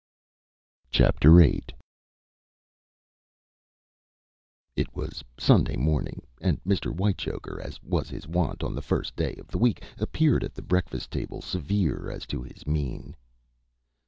VIII It was Sunday morning, and Mr. Whitechoker, as was his wont on the first day of the week, appeared at the breakfast table severe as to his mien.